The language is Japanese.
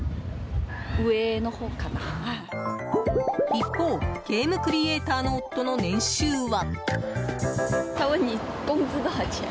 一方、ゲームクリエイターの夫の年収は。